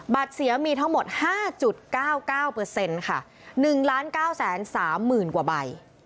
บัตรเสียมีทั้งหมดห้าจุดเก้าเก้าเปอร์เซ็นต์ค่ะหนึ่งล้านเก้าแสนสามหมื่นกว่าใบ